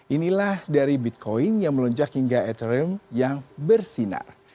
inilah dari bitcoin yang melonjak hingga ethereum yang bersinar